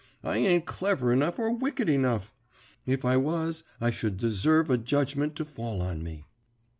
I ain't clever enough or wicked enough. If I was I should deserve a judgment to fall on me.